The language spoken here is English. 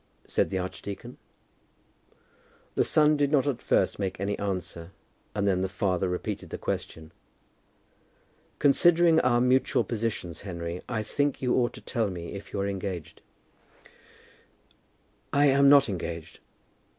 said the archdeacon. The son did not at first make any answer, and then the father repeated the question. "Considering our mutual positions, Henry, I think you ought to tell me if you are engaged." "I am not engaged.